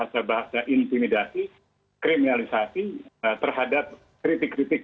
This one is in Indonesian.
ini juga bahasa bahasa intimidasi kriminalisasi terhadap kritik kritik